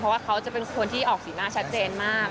เพราะว่าเขาจะเป็นคนที่ออกสีหน้าชัดเจนมาก